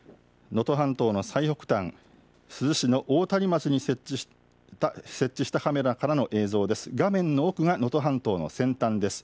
能登半島の最北端、珠洲市の大谷町に設置したカメラからの映像です。